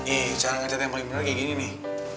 eh cara ngajak yang paling bener kayak gini nih